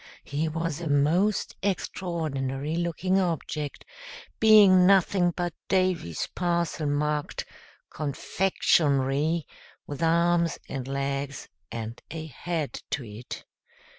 He was a most extraordinary looking object, being nothing but Davy's parcel marked, "CONFEXIONRY," with arms and legs and a head to it.